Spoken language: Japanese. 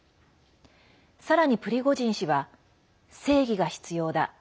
さらにプリゴジン氏は正義が必要だ。